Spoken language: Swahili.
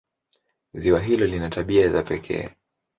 Ziwa hilo lina tabia za pekee.